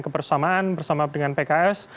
kebersamaan bersama dengan pks